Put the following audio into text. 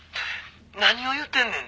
何を言うてんねん？